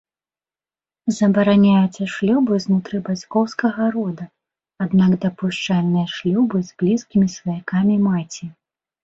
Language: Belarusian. Забараняюцца шлюбы знутры бацькоўскага рода, аднак дапушчальныя шлюбы з блізкімі сваякамі маці.